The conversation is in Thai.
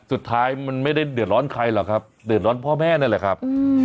สุดท้ายมันไม่ได้เดือดร้อนใครหรอกครับเดือดร้อนพ่อแม่นั่นแหละครับ